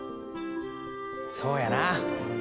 そうやな。